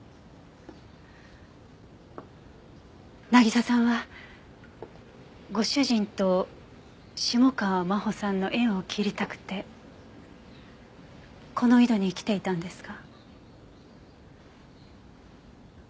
渚さんはご主人と下川真帆さんの縁を切りたくてこの井戸に来ていたんですか？